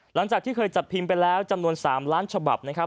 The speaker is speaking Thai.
หลังจากที่เคยจัดพิมพ์ไปแล้วจำนวน๓ล้านฉบับนะครับ